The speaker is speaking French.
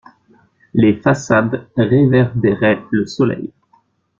Les façades réverbéraient le soleil.